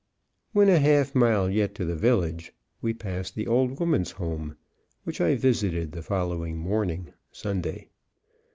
When a half mile yet to the village we passed the Old Woman's Home, which I visited the following morning, Sunday.